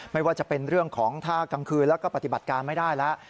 ไม่ว่าจะเป็นเรื่องของถ้ากลางคืนแล้วก็ปฏิบัติการไม่ได้แล้ว